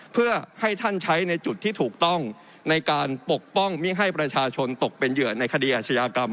เพื่อให้ท่านใช้ในจุดที่ถูกต้องในการปกป้องไม่ให้ประชาชนตกเป็นเหยื่อในคดีอาชญากรรม